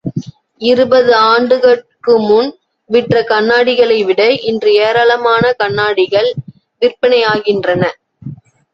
இருபது ஆண்டுகட்குமுன் விற்ற கண்ணாடிகளைவிட இன்று ஏராளமான கண்ணாடிகள் விற்பனையாகின்றன.